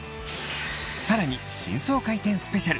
さらに新装開店スペシャル！